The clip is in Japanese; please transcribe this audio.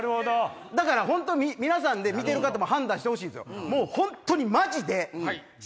だから皆さんで見てる方も判断してほしいんですよ。